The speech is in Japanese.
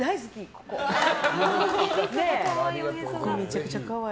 ここめちゃくちゃ可愛い。